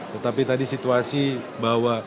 tetapi tadi situasi bahwa